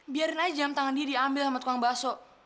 biarin aja jam tangan dia diambil sama tukang bakso